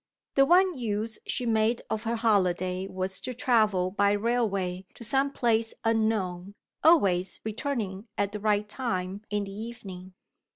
The one use she made of her holiday was to travel by railway to some place unknown; always returning at the right time in the evening.